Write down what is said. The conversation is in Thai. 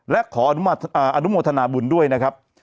และขออนุโมทนาบุญด้วยนะครับ